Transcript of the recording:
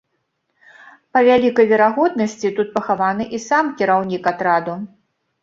Па вялікай верагоднасці, тут пахаваны і сам кіраўнік атраду.